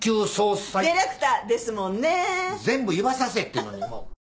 全部言わさせえってのにもう。